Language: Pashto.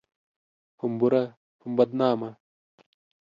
هم بوره ، هم بدنامه